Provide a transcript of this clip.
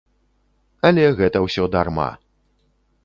Але гэта ўсё дарма!